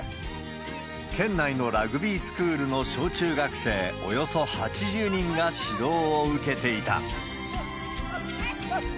県内のラグビースクールの小中学生、およそ８０人が指導を受けていた。